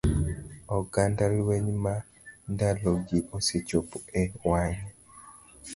Oganda lweny ma ndalogi osechopo e wang'e.